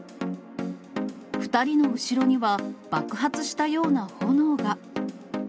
２人の後ろには、爆発したような炎が。